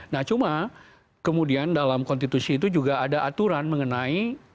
nah cuma kemudian dalam konstitusi itu juga ada aturan mengenai